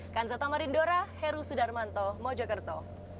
kansa tamarindora heru sudarmanto mojokerto